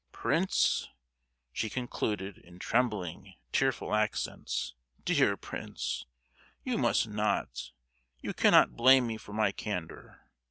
Prince," she concluded, in trembling tearful accents, "dear Prince; you must not, you cannot blame me for my candour!